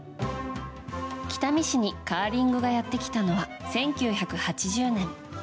北見市にカーリングがやってきたのは１９８０年。